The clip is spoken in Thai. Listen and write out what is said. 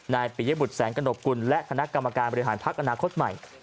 นายปียบุษแสนกระหนบกุลและคณะกรรมการบริหารพรรคอนาคตใหม่